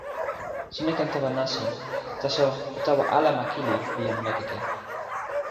sina ken tawa nasin. taso o tawa ala ma kili pi jan Mekeke.